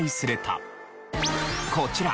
こちら